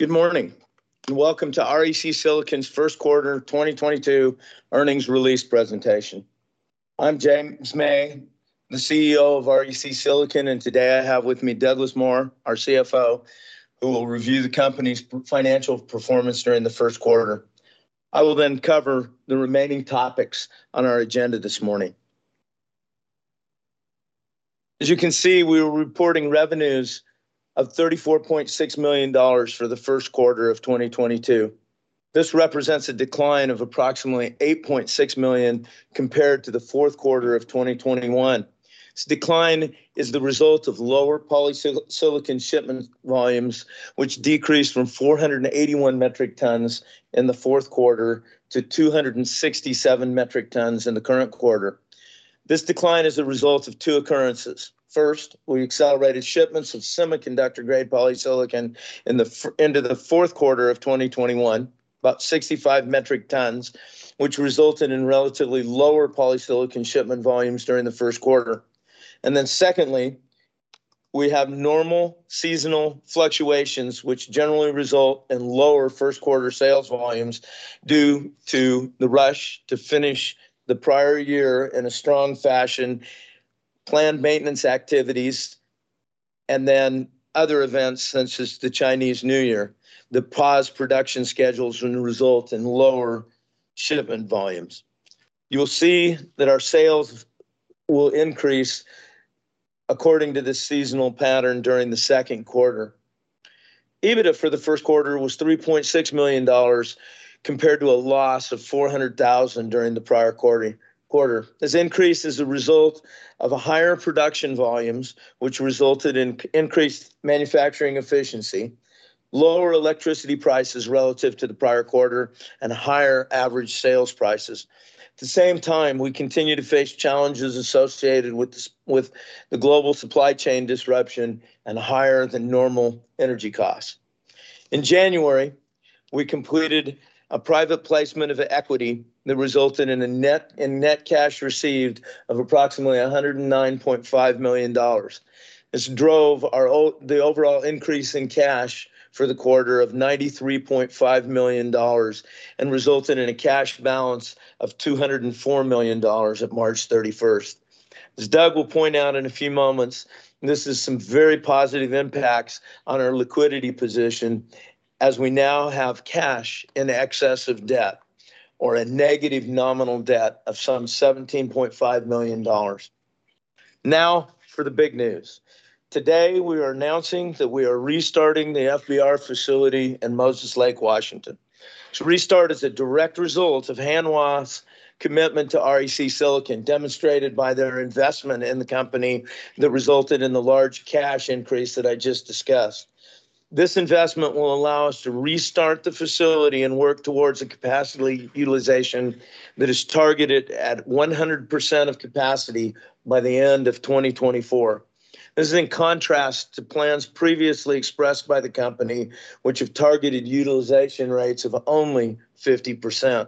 Good morning, and welcome to REC Silicon's first quarter 2022 earnings release presentation. I'm James May, the CEO of REC Silicon, and today I have with me Douglas Moore, our CFO, who will review the company's financial performance during the first quarter. I will then cover the remaining topics on our agenda this morning. As you can see, we were reporting revenues of $34.6 million for the first quarter of 2022. This represents a decline of approximately $8.6 million compared to the fourth quarter of 2021. This decline is the result of lower silicon shipment volumes, which decreased from 481 metric tons in the fourth quarter to 267 metric tons in the current quarter. This decline is the result of two occurrences. First, we accelerated shipments of semiconductor-grade polysilicon into the fourth quarter of 2021, about 65 metric tons, which resulted in relatively lower polysilicon shipment volumes during the first quarter. Secondly, we have normal seasonal fluctuations, which generally result in lower first quarter sales volumes due to the rush to finish the prior year in a strong fashion, planned maintenance activities, and then other events, such as the Chinese New Year. The paused production schedules then result in lower shipment volumes. You'll see that our sales will increase according to the seasonal pattern during the second quarter. EBITDA for the first quarter was $3.6 million compared to a loss of $400,000 during the prior quarter. This increase is a result of higher production volumes, which resulted in increased manufacturing efficiency, lower electricity prices relative to the prior quarter, and higher average sales prices. At the same time, we continue to face challenges associated with the global supply chain disruption and higher than normal energy costs. In January, we completed a private placement of equity that resulted in net cash received of approximately $109.5 million. This drove the overall increase in cash for the quarter of $93.5 million, and resulted in a cash balance of $204 million at March 31. As Doug will point out in a few moments, this is some very positive impacts on our liquidity position as we now have cash in excess of debt, or a negative nominal debt of some $17.5 million. Now, for the big news. Today, we are announcing that we are restarting the FBR facility in Moses Lake, Washington. This restart is a direct result of Hanwha's commitment to REC Silicon, demonstrated by their investment in the company that resulted in the large cash increase that I just discussed. This investment will allow us to restart the facility and work towards a capacity utilization that is targeted at 100% of capacity by the end of 2024. This is in contrast to plans previously expressed by the company, which have targeted utilization rates of only 50%.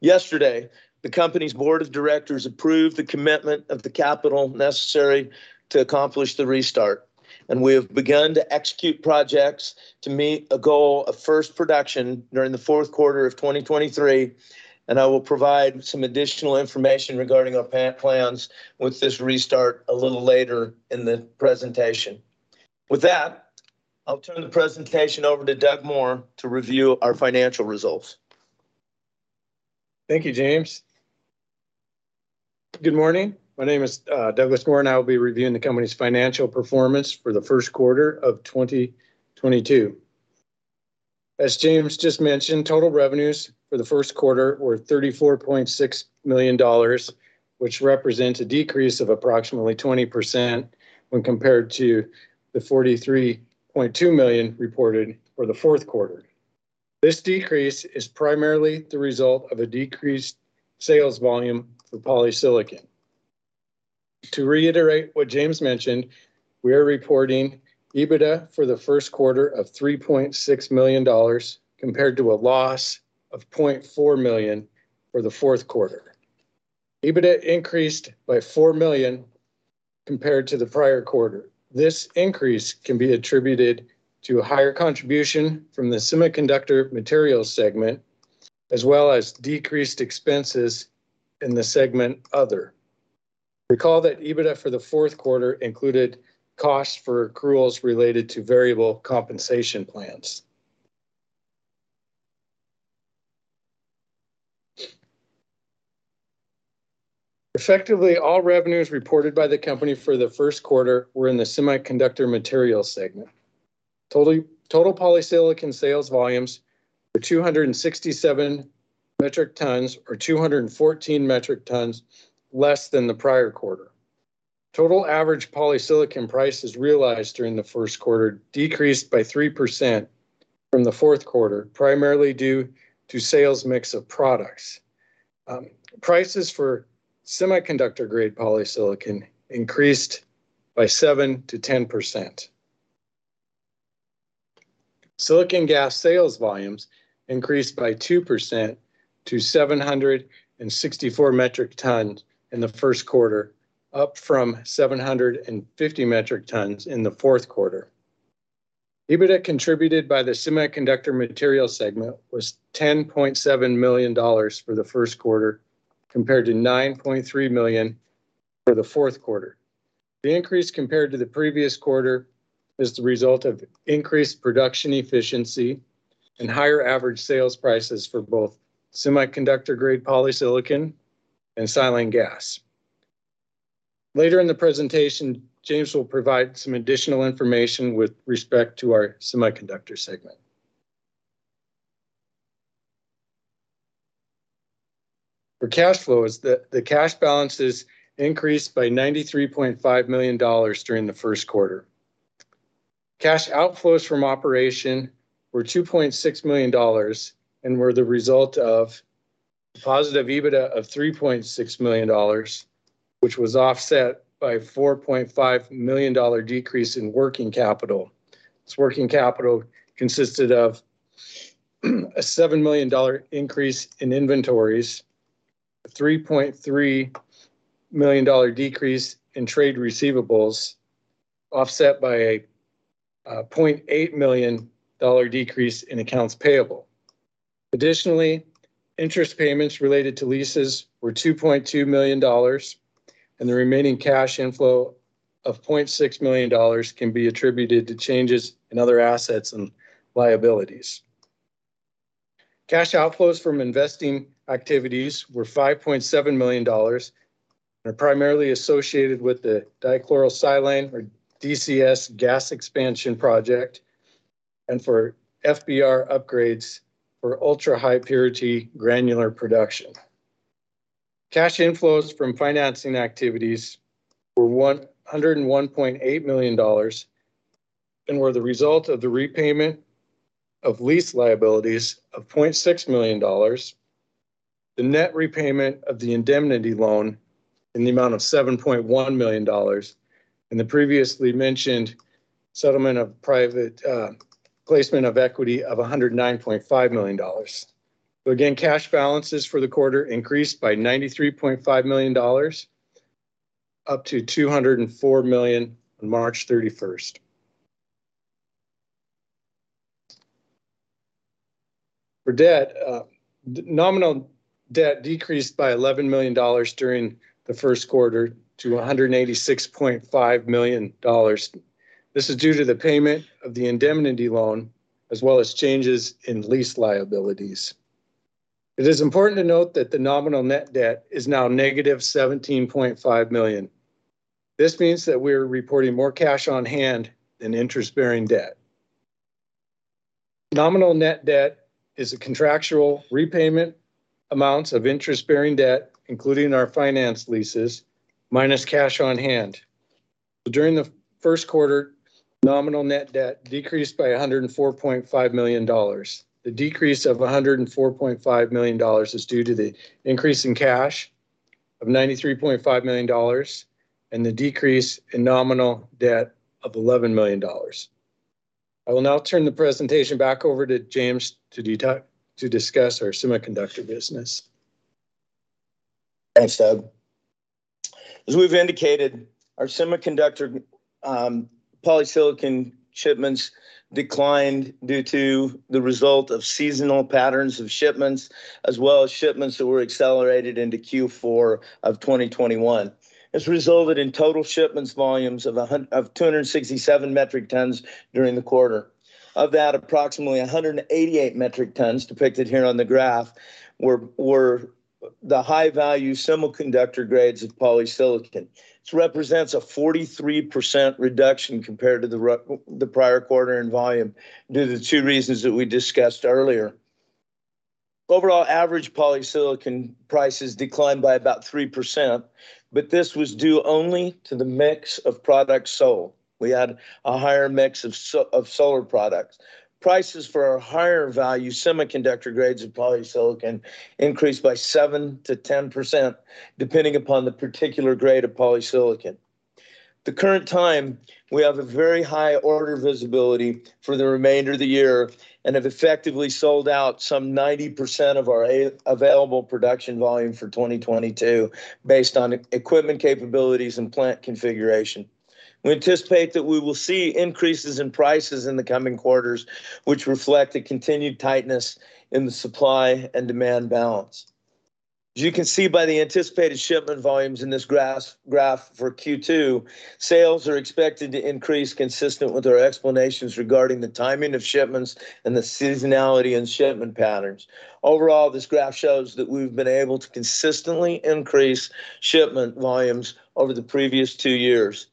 Yesterday, the company's board of directors approved the commitment of the capital necessary to accomplish the restart, and we have begun to execute projects to meet a goal of first production during the fourth quarter of 2023, and I will provide some additional information regarding our plans with this restart a little later in the presentation. With that, I'll turn the presentation over to Douglas Moore to review our financial results. Thank you, James. Good morning. My name is Douglas Moore, and I will be reviewing the company's financial performance for the first quarter of 2022. As James just mentioned, total revenues for the first quarter were $34.6 million, which represents a decrease of approximately 20% when compared to the $43.2 million reported for the fourth quarter. This decrease is primarily the result of a decreased sales volume for polysilicon. To reiterate what James mentioned, we are reporting EBITDA for the first quarter of $3.6 million compared to a loss of $0.4 million for the fourth quarter. EBITDA increased by $4 million compared to the prior quarter. This increase can be attributed to a higher contribution from the Semiconductor Materials segment, as well as decreased expenses in the other segment. Recall that EBITDA for the fourth quarter included costs for accruals related to variable compensation plans. Effectively, all revenues reported by the company for the first quarter were in the Semiconductor Materials segment. Total polysilicon sales volumes were 267 metric tons or 214 metric tons less than the prior quarter. Total average polysilicon prices realized during the first quarter decreased by 3% from the fourth quarter, primarily due to sales mix of products. Prices for semiconductor-grade polysilicon increased by 7%-10%. Silicon gas sales volumes increased by 2% to 764 metric tons in the first quarter, up from 750 metric tons in the fourth quarter. EBITDA contributed by the Semiconductor Materials segment was $10.7 million for the first quarter, compared to $9.3 million for the fourth quarter. The increase compared to the previous quarter is the result of increased production efficiency and higher average sales prices for both semiconductor-grade polysilicon and silane gas. Later in the presentation, James will provide some additional information with respect to our semiconductor segment. For cash flows, cash balances increased by $93.5 million during the first quarter. Cash outflows from operation were $2.6 million and were the result of positive EBITDA of $3.6 million, which was offset by $4.5 million dollar decrease in working capital. This working capital consisted of a $7 million dollar increase in inventories, a $3.3 million dollar decrease in trade receivables, offset by a $0.8 million dollar decrease in accounts payable. Additionally, interest payments related to leases were $2.2 million, and the remaining cash inflow of $0.6 million can be attributed to changes in other assets and liabilities. Cash outflows from investing activities were $5.7 million, are primarily associated with the dichlorosilane or DCS gas expansion project and for FBR upgrades for ultra-high purity granular production. Cash inflows from financing activities were $101.8 million and were the result of the repayment of lease liabilities of $0.6 million, the net repayment of the indemnity loan in the amount of $7.1 million, and the previously mentioned settlement of private placement of equity of $109.5 million. Again, cash balances for the quarter increased by $93.5 million, up to $204 million on March 31. For debt, nominal debt decreased by $11 million during the first quarter to $186.5 million. This is due to the payment of the indemnity loan, as well as changes in lease liabilities. It is important to note that the nominal net debt is now negative $17.5 million. This means that we are reporting more cash on hand than interest-bearing debt. Nominal net debt is a contractual repayment amounts of interest-bearing debt, including our finance leases, minus cash on hand. During the first quarter, nominal net debt decreased by $104.5 million. The decrease of $104.5 million is due to the increase in cash of $93.5 million and the decrease in nominal debt of $11 million. I will now turn the presentation back over to James to discuss our semiconductor business. Thanks, Doug. As we've indicated, our semiconductor polysilicon shipments declined due to the result of seasonal patterns of shipments, as well as shipments that were accelerated into Q4 of 2021. This resulted in total shipments volumes of 267 metric tons during the quarter. Of that, approximately 188 metric tons depicted here on the graph were the high-value semiconductor grades of polysilicon. This represents a 43% reduction compared to the prior quarter in volume due to the two reasons that we discussed earlier. Overall average polysilicon prices declined by about 3%, but this was due only to the mix of products sold. We had a higher mix of solar products. Prices for our higher value semiconductor grades of polysilicon increased by 7%-10%, depending upon the particular grade of polysilicon. At the current time, we have a very high order visibility for the remainder of the year and have effectively sold out some 90% of our available production volume for 2022 based on equipment capabilities and plant configuration. We anticipate that we will see increases in prices in the coming quarters, which reflect a continued tightness in the supply and demand balance. As you can see by the anticipated shipment volumes in this graph for Q2, sales are expected to increase consistent with our explanations regarding the timing of shipments and the seasonality and shipment patterns. Overall, this graph shows that we've been able to consistently increase shipment volumes over the previous two years.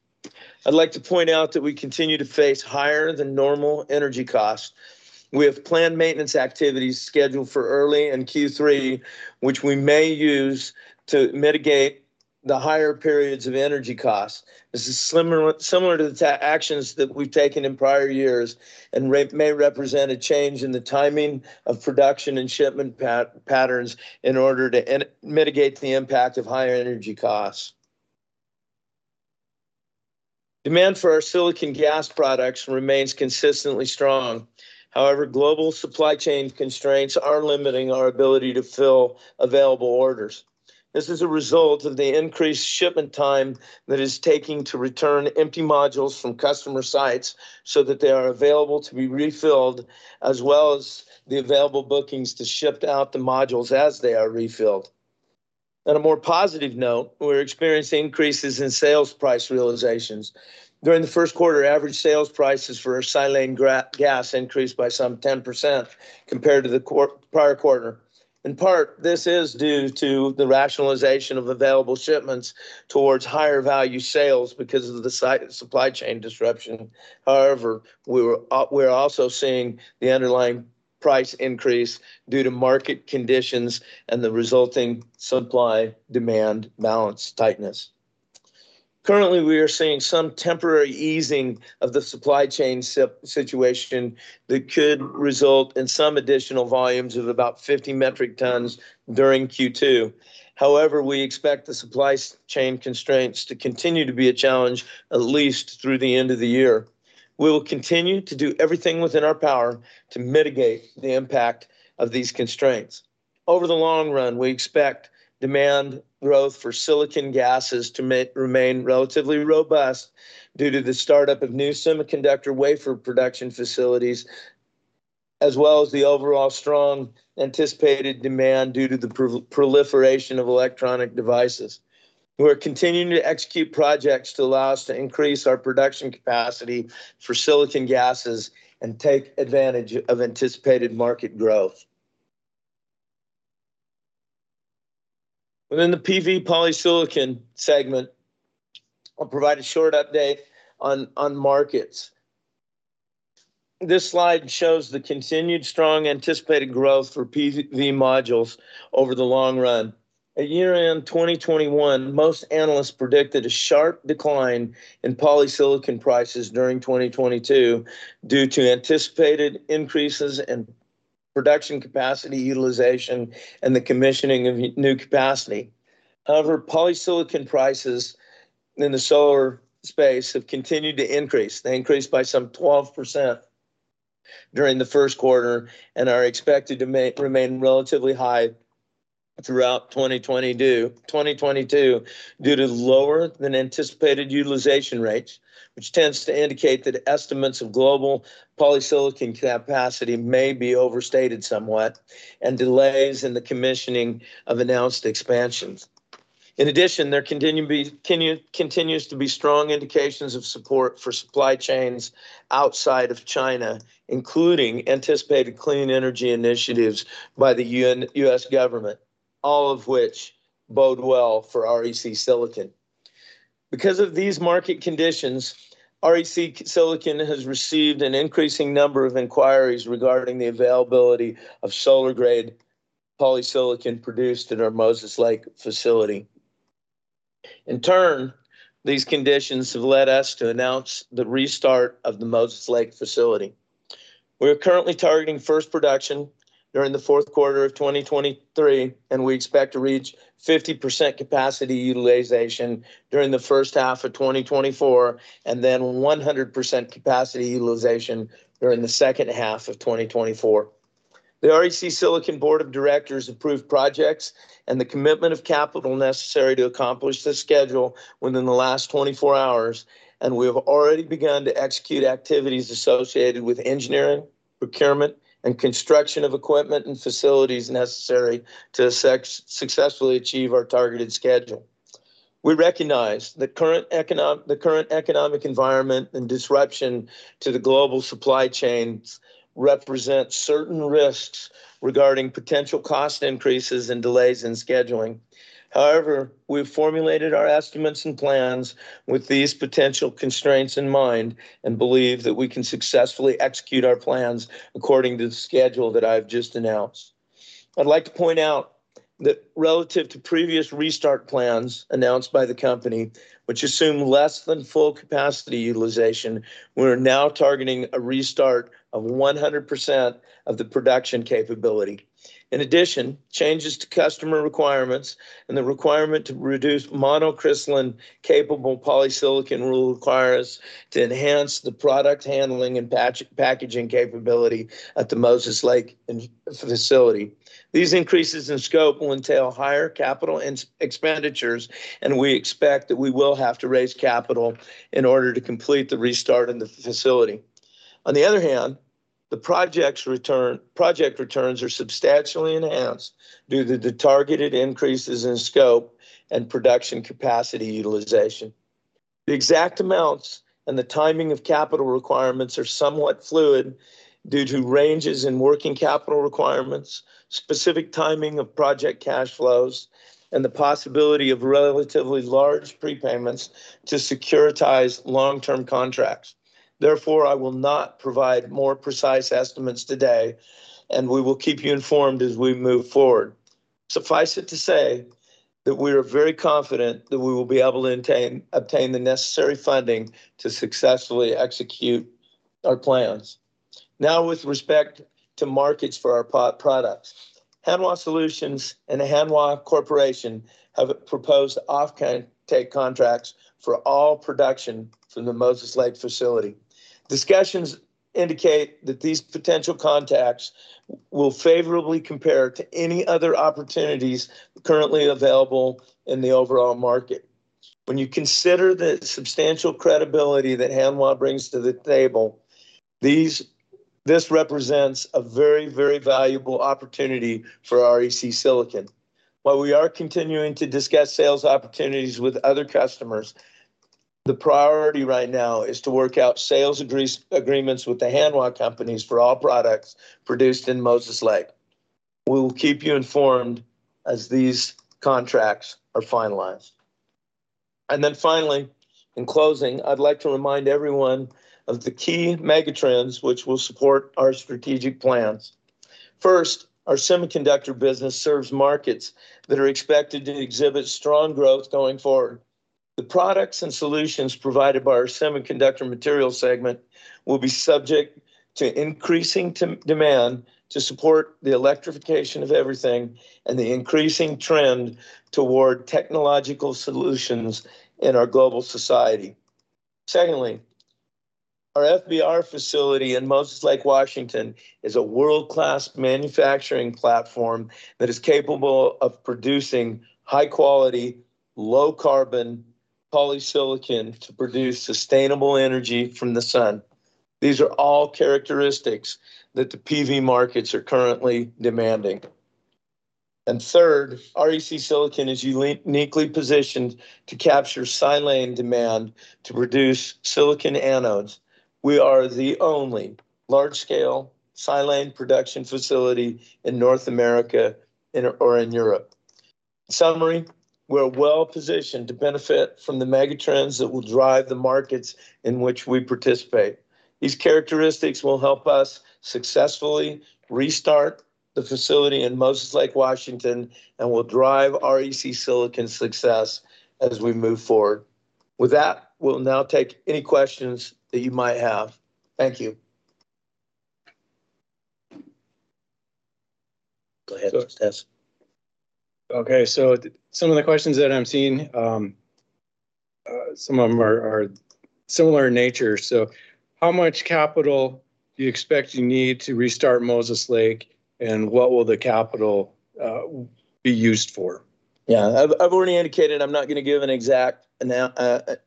I'd like to point out that we continue to face higher than normal energy costs. We have planned maintenance activities scheduled for early in Q3, which we may use to mitigate the higher periods of energy costs. This is similar to the actions that we've taken in prior years and may represent a change in the timing of production and shipment patterns in order to mitigate the impact of higher energy costs. Demand for our silicon gas products remains consistently strong. However, global supply chain constraints are limiting our ability to fill available orders. This is a result of the increased shipment time that is taking to return empty modules from customer sites so that they are available to be refilled, as well as the available bookings to ship out the modules as they are refilled. On a more positive note, we're experiencing increases in sales price realizations. During the first quarter, average sales prices for our silane gas increased by some 10% compared to the prior quarter. In part, this is due to the rationalization of available shipments towards higher value sales because of the supply chain disruption. However, we're also seeing the underlying price increase due to market conditions and the resulting supply-demand balance tightness. Currently, we are seeing some temporary easing of the supply chain situation that could result in some additional volumes of about 50 metric tons during Q2. However, we expect the supply chain constraints to continue to be a challenge at least through the end of the year. We will continue to do everything within our power to mitigate the impact of these constraints. Over the long run, we expect demand growth for silicon gases to remain relatively robust due to the startup of new semiconductor wafer production facilities, as well as the overall strong anticipated demand due to the proliferation of electronic devices. We're continuing to execute projects to allow us to increase our production capacity for silicon gases and take advantage of anticipated market growth. Within the PV polysilicon segment, I'll provide a short update on markets. This slide shows the continued strong anticipated growth for PV modules over the long run. At year-end 2021, most analysts predicted a sharp decline in polysilicon prices during 2022 due to anticipated increases in production capacity utilization and the commissioning of new capacity. However, polysilicon prices in the solar space have continued to increase. They increased by some 12% during the first quarter and are expected to remain relatively high throughout 2022 due to lower than anticipated utilization rates, which tends to indicate that estimates of global polysilicon capacity may be overstated somewhat and delays in the commissioning of announced expansions. In addition, there continues to be strong indications of support for supply chains outside of China, including anticipated clean energy initiatives by the U.S. government, all of which bode well for REC Silicon. Because of these market conditions, REC Silicon has received an increasing number of inquiries regarding the availability of solar-grade polysilicon produced at our Moses Lake facility. In turn, these conditions have led us to announce the restart of the Moses Lake facility. We are currently targeting first production during the fourth quarter of 2023, and we expect to reach 50% capacity utilization during the first half of 2024, and then 100% capacity utilization during the second half of 2024. The REC Silicon board of directors approved projects and the commitment of capital necessary to accomplish this schedule within the last 24 hours, and we have already begun to execute activities associated with engineering, procurement, and construction of equipment and facilities necessary to successfully achieve our targeted schedule. We recognize the current economic environment and disruption to the global supply chains represent certain risks regarding potential cost increases and delays in scheduling. However, we've formulated our estimates and plans with these potential constraints in mind and believe that we can successfully execute our plans according to the schedule that I've just announced. I'd like to point out that relative to previous restart plans announced by the company, which assume less than full capacity utilization, we're now targeting a restart of 100% of the production capability. In addition, changes to customer requirements and the requirement to reduce monocrystalline capable polysilicon will require us to enhance the product handling and packaging capability at the Moses Lake facility. These increases in scope will entail higher capital expenditures, and we expect that we will have to raise capital in order to complete the restart in the facility. On the other hand, the project returns are substantially enhanced due to the targeted increases in scope and production capacity utilization. The exact amounts and the timing of capital requirements are somewhat fluid due to ranges in working capital requirements, specific timing of project cash flows, and the possibility of relatively large prepayments to securitize long-term contracts. Therefore, I will not provide more precise estimates today, and we will keep you informed as we move forward. Suffice it to say that we are very confident that we will be able to obtain the necessary funding to successfully execute our plans. Now with respect to markets for our products, Hanwha Solutions and the Hanwha Corporation have proposed offtake contracts for all production from the Moses Lake facility. Discussions indicate that these potential contracts will favorably compare to any other opportunities currently available in the overall market. When you consider the substantial credibility that Hanwha brings to the table, this represents a very, very valuable opportunity for REC Silicon. While we are continuing to discuss sales opportunities with other customers, the priority right now is to work out sales agreements with the Hanwha companies for all products produced in Moses Lake. We will keep you informed as these contracts are finalized. Finally, in closing, I'd like to remind everyone of the key mega trends which will support our strategic plans. First, our semiconductor business serves markets that are expected to exhibit strong growth going forward. The products and solutions provided by our semiconductor materials segment will be subject to increasing demand to support the electrification of everything and the increasing trend toward technological solutions in our global society. Secondly, our FBR facility in Moses Lake, Washington, is a world-class manufacturing platform that is capable of producing high quality, low carbon polysilicon to produce sustainable energy from the sun. These are all characteristics that the PV markets are currently demanding. Third, REC Silicon is uniquely positioned to capture silane demand to produce silicon anodes. We are the only large scale silane production facility in North America or in Europe. In summary, we're well positioned to benefit from the mega trends that will drive the markets in which we participate. These characteristics will help us successfully restart the facility in Moses Lake, Washington, and will drive REC Silicon's success as we move forward. With that, we'll now take any questions that you might have. Thank you. Go ahead. Doug Okay. Some of the questions that I'm seeing, some of them are similar in nature. How much capital do you expect you need to restart Moses Lake and what will the capital be used for? Yeah. I've already indicated I'm not gonna give an exact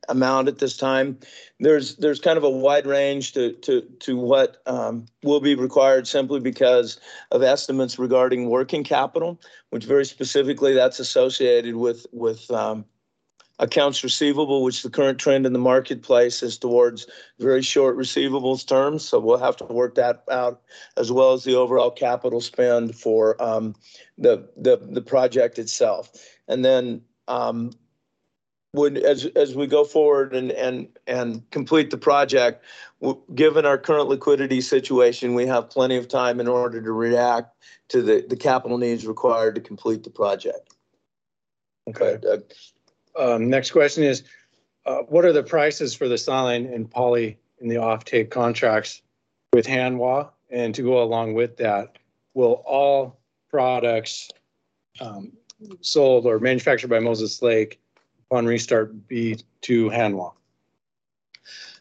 amount at this time. There's kind of a wide range to what will be required simply because of estimates regarding working capital, which very specifically that's associated with accounts receivable, which the current trend in the marketplace is towards very short receivables terms. We'll have to work that out as well as the overall capital spend for the project itself. When as we go forward and complete the project, given our current liquidity situation, we have plenty of time in order to react to the capital needs required to complete the project. Okay. Next question is, what are the prices for the silane and poly in the offtake contracts with Hanwha? To go along with that, will all products sold or manufactured by Moses Lake on restart be to Hanwha?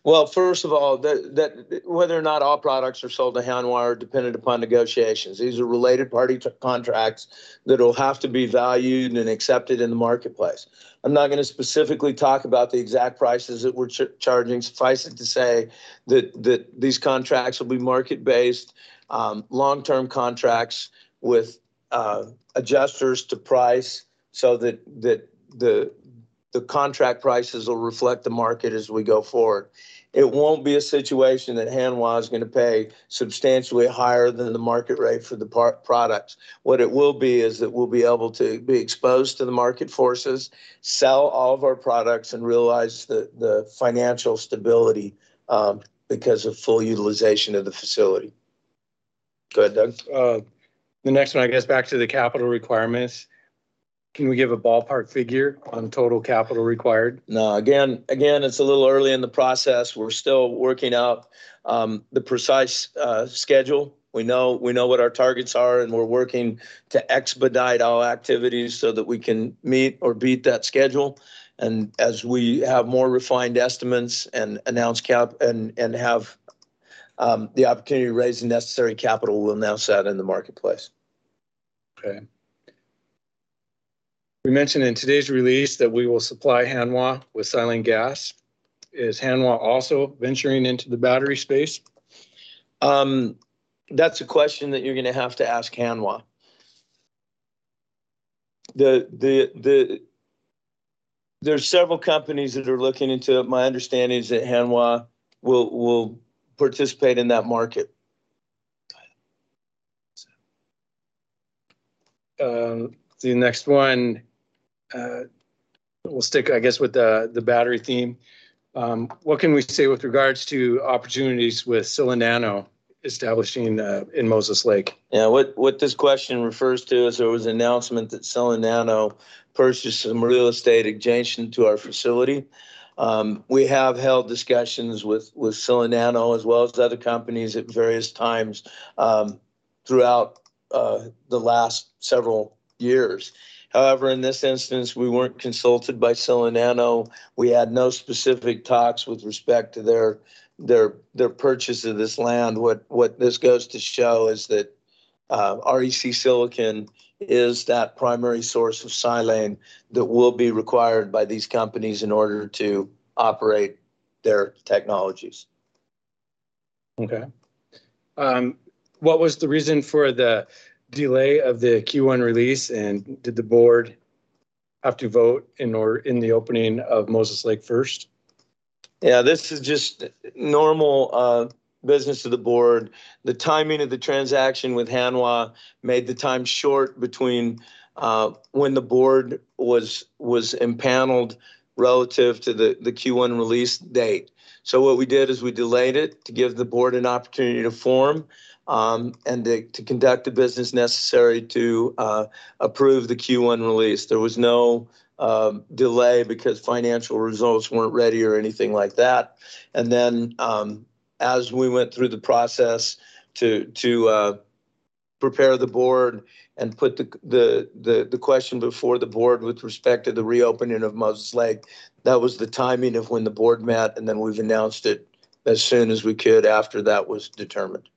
Well, first of all, the whether or not all products are sold to Hanwha are dependent upon negotiations. These are related party to contracts that will have to be valued and accepted in the marketplace. I'm not gonna specifically talk about the exact prices that we're charging. Suffice it to say that these contracts will be market-based, long-term contracts with adjusters to price so that the contract prices will reflect the market as we go forward. It won't be a situation that Hanwha is gonna pay substantially higher than the market rate for the products. What it will be is that we'll be able to be exposed to the market forces, sell all of our products, and realize the financial stability because of full utilization of the facility. Go ahead, Doug. The next one I guess back to the capital requirements. Can we give a ballpark figure on total capital required? No. Again, it's a little early in the process. We're still working out the precise schedule. We know what our targets are, and we're working to expedite all activities so that we can meet or beat that schedule. As we have more refined estimates and announce CapEx and have the opportunity to raise the necessary capital, we'll announce that in the marketplace. Okay. We mentioned in today's release that we will supply Hanwha with silane gas. Is Hanwha also venturing into the battery space? That's a question that you're gonna have to ask Hanwha. There's several companies that are looking into it. My understanding is that Hanwha will participate in that market. Go ahead. The next one, we'll stick, I guess, with the battery theme. What can we say with regards to opportunities with Sila Nanotechnologies establishing in Moses Lake. Yeah. What this question refers to is there was an announcement that Sila Nanotechnologies purchased some real estate adjacent to our facility. We have held discussions with Sila Nanotechnologies as well as other companies at various times throughout the last several years. However, in this instance, we weren't consulted by Sila Nanotechnologies. We had no specific talks with respect to their purchase of this land. What this goes to show is that REC Silicon is that primary source of silane that will be required by these companies in order to operate their technologies. Okay. What was the reason for the delay of the Q1 release, and did the board have to vote in the opening of Moses Lake first? Yeah, this is just normal business to the board. The timing of the transaction with Hanwha made the time short between when the board was empanelled relative to the Q1 release date. What we did is we delayed it to give the board an opportunity to form and to conduct the business necessary to approve the Q1 release. There was no delay because financial results weren't ready or anything like that. As we went through the process to prepare the board and put the question before the board with respect to the reopening of Moses Lake, that was the timing of when the board met, and then we've announced it as soon as we could after that was determined.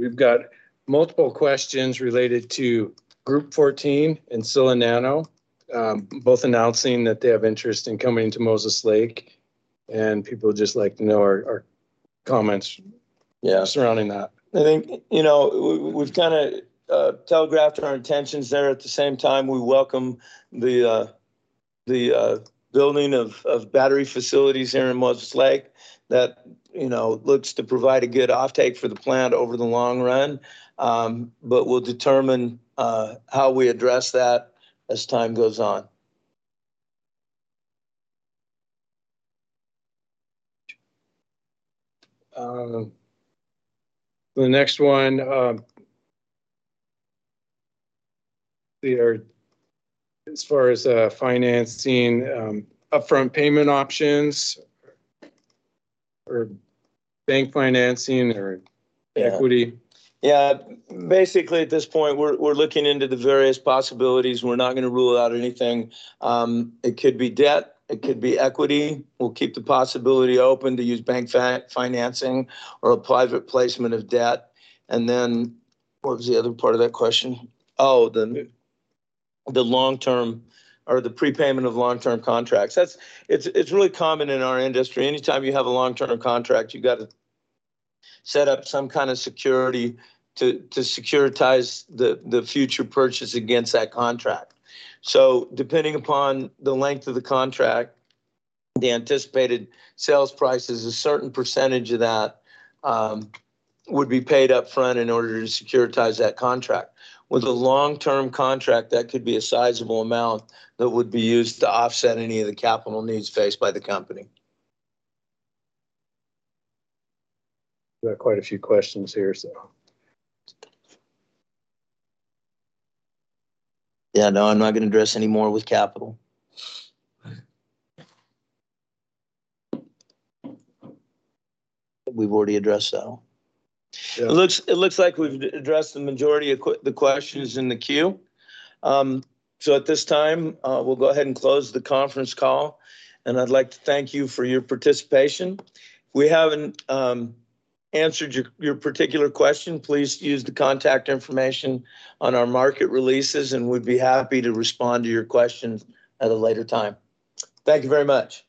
We've got multiple questions related to Group14 and Sila Nanotechnologies, both announcing that they have interest in coming to Moses Lake, and people would just like to know our comments. Yeah Surrounding that. I think, you know, we've kinda telegraphed our intentions there. At the same time, we welcome the building of battery facilities here in Moses Lake that, you know, looks to provide a good offtake for the plant over the long run. We'll determine how we address that as time goes on. The next one, as far as financing, upfront payment options or bank financing or equity. Yeah. Basically at this point we're looking into the various possibilities. We're not gonna rule out anything. It could be debt, it could be equity. We'll keep the possibility open to use bank financing or a private placement of debt. Then what was the other part of that question? Oh, the long-term or the prepayment of long-term contracts. It's really common in our industry. Anytime you have a long-term contract, you gotta set up some kinda security to securitize the future purchase against that contract. Depending upon the length of the contract, the anticipated sales price is a certain percentage of that would be paid upfront in order to securitize that contract. With a long-term contract, that could be a sizable amount that would be used to offset any of the capital needs faced by the company. Got quite a few questions here, so. Yeah, no, I'm not gonna address any more with capital. We've already addressed that all. Yeah. It looks like we've addressed the majority of the questions in the queue. At this time, we'll go ahead and close the conference call, and I'd like to thank you for your participation. If we haven't answered your particular question, please use the contact information on our market releases, and we'd be happy to respond to your questions at a later time. Thank you very much.